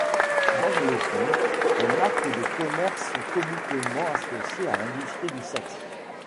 Dans le film, les marques de commerce sont comiquement associées à l'industrie du sexe.